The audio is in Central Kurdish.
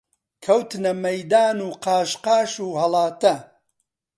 کەوتنە مەیدان و قاش قاش و هەڵاتە